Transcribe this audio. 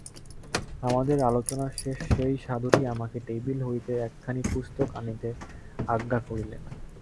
আমাদের আলোচনার শেষে সেই সাধুটি আমাকে টেবিল হইতে একখানি পুস্তক আনিতে আজ্ঞা করিলেন।